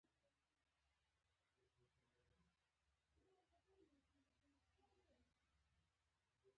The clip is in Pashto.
د مثانې د داخلي سفنکترې عضلې په غیر ارادي توګه خلاصه کېږي.